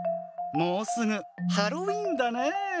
もうすぐハロウィーンだねえ。